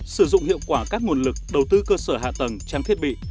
sử dụng hiệu quả các nguồn lực đầu tư cơ sở hạ tầng trang thiết bị